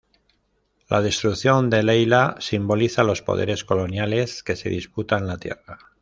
La destrucción de Leila simboliza los poderes coloniales que se disputan la tierra.